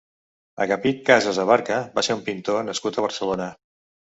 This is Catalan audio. Agapit Casas Abarca va ser un pintor nascut a Barcelona.